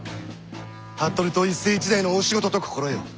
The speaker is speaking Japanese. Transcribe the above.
服部党一世一代の大仕事と心得よ。